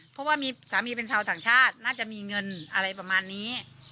เพราะว่ามีสามีเป็นชาวต่างชาติน่าจะมีเงินอะไรประมาณนี้